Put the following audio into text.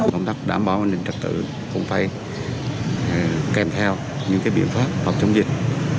công tác đảm bảo an ninh trật tự không phải kèm theo những biện pháp hoặc chống dịch